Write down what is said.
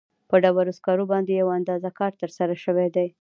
په ډبرو سکرو باندې یو اندازه کار ترسره شوی دی.